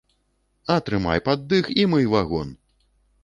Атрымай пад дых і мый вагон!